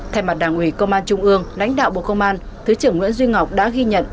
thay mặt đảng ủy công an trung ương lãnh đạo bộ công an thứ trưởng nguyễn duy ngọc đã ghi nhận